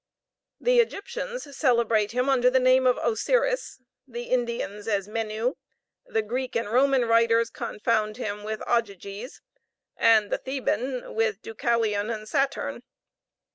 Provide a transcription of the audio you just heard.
The Egyptians celebrate him under the name of Osiris; the Indians as Menu; the Greek and Roman writers confound him with Ogyges; and the Theban with Deucalion and Saturn.